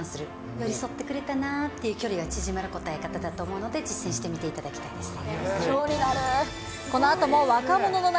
寄り添ってくれたなという、距離が縮まる答え方だと思いますので、実践してみていただきたいですね。